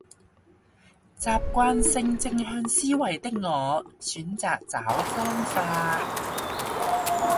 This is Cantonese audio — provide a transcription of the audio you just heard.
習慣性正向思維的我選擇找方法